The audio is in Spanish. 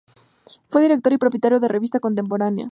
Fue director y propietario de "Revista Contemporánea".